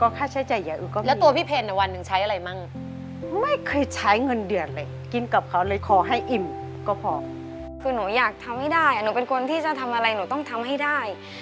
คือหนูอยากทำให้ได้หนูเป็นคนที่จะทำอะไรหนูต้องทำให้ได้